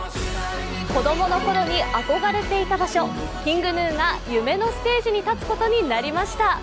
子供の頃に憧れていた場所ＫｉｎｇＧｎｕが夢の舞台に立つことになりました。